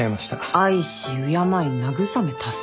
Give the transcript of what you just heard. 愛し敬い慰め助け合う？